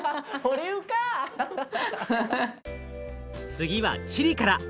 次はチリから。